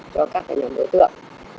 cho các nhóm đối tượng